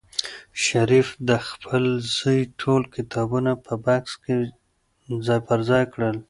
شریف د خپل زوی ټول کتابونه په بکس کې ځای پر ځای کړل.